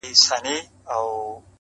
که یې وګټلم زړه کې مې دېره شو